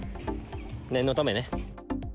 念のためね。